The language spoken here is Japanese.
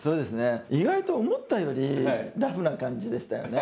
意外と思ったよりラフな感じでしたよね。